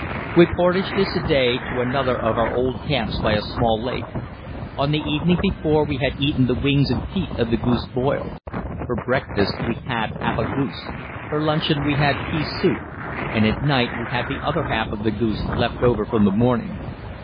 We portaged this day to another of our old camps by a small lake. On the evening before we had eaten the wings and feet of the geese boiled. For breakfast we had half a goose, for luncheon we had pea soup, and at night we had the other half of the goose left over from the morning.